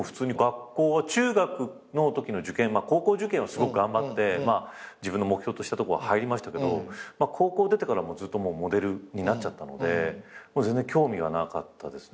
中学のときの受験高校受験はすごく頑張って自分の目標としたとこは入りましたけど高校出てからずっとモデルになっちゃったので全然興味がなかったですね